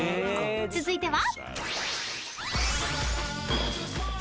［続いては］